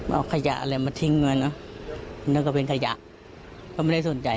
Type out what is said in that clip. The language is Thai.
เอาขยะอะไรมาทิ้งมาน่ะนั่นก็เป็นขยะเพราะไม่ได้สนใจ